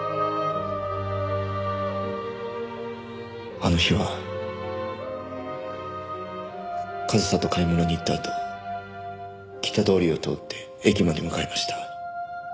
あの日は和沙と買い物に行ったあと北通りを通って駅まで向かいました。